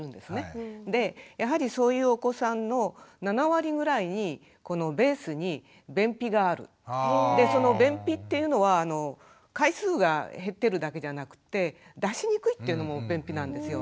でやはりそういうお子さんのでその便秘っていうのは回数が減ってるだけじゃなくて出しにくいっていうのも便秘なんですよ。